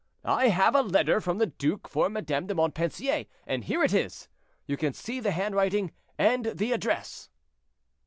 I have a letter from the duke for Madame de Montpensier, and here it is; you can see the handwriting and the address."